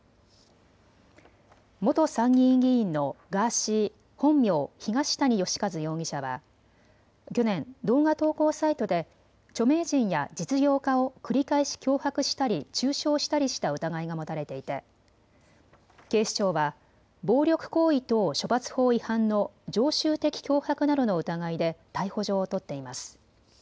元参議院議員のガーシー、本名・東谷義和容疑者は去年、動画投稿サイトで著名人や実業家を繰り返し脅迫したり中傷したりした疑いが持たれていて警視庁は暴力行為等処罰法違反の常習的脅迫などの疑いで逮捕状を取っています。